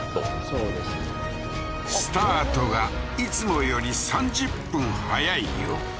そうですスタートがいつもより３０分早いよ